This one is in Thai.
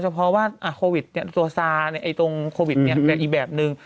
เฉพาะว่าโควิดตัวซาตรงโควิดอีกแบบหนึ่ง